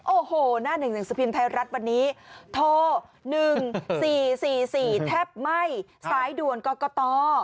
โอ้โหหน้าหนึ่งหนังสือพิมพ์ไทยรัฐวันนี้โทร๑๔๔๔แทบไหม้สายด่วนกรกต